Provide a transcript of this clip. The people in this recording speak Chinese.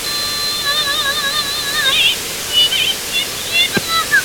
搭挡是藤森慎吾。